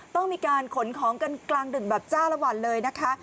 ต้องมีการขนของกันกลางดึกแบบจ้าละวันเลยนะคะ